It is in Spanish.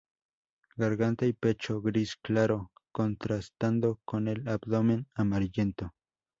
Garganta y pecho gris claro, contrastando con el abdomen amarillento.